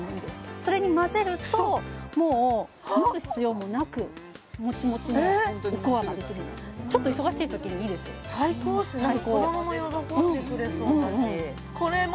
それに混ぜるともう蒸す必要もなくもちもちなおこわができるのでちょっと忙しいときにいいですよ最高ですね！